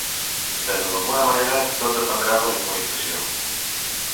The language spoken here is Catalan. Però d’alguna manera tot dependrà de la immunització.